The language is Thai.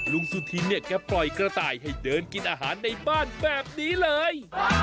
เห็นแบบนี้แล้วเลี้ยงง่ายมากเลยนะครับ